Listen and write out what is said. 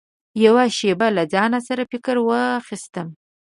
يوه شېبه له ځان سره فکر واخيستم .